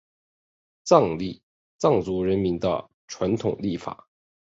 藏历藏族人民的传统历法。